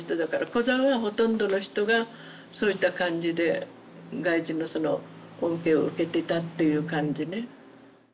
コザはほとんどの人がそういった感じで外人の恩恵を受けてたっていう感じね。